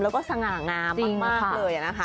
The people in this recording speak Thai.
แล้วก็สง่างามมากเลย